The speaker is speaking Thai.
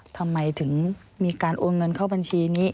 ทำไมถึงมีการโอนเงินเข้าบัญชีนี้